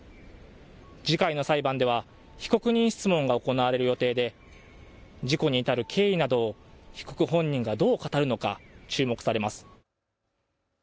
次回の裁判では被告人質問が行われる予定で事故に至る経緯などを被告本人がどう語るのか注目されます。